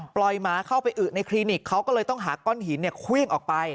หมาเข้าไปอึในคลินิกเขาก็เลยต้องหาก้อนหินเครื่องออกไป